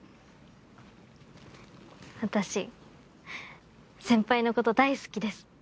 私先輩のこと大好きです。